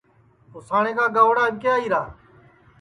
اُساٹؔے کا گئوڑا اِٻکے آئیرا ہے